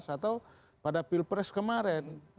atau pada pilpres kemarin